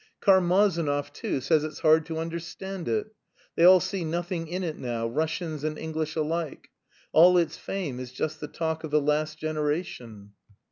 Karmazinov, too, says it's hard to understand it. They all see nothing in it now, Russians and English alike. All its fame is just the talk of the last generation."